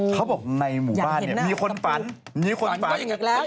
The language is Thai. เขาบอกในหมู่บ้านนี่มีคนฝันมีคนฝันอยากเห็นหน้ากับผู้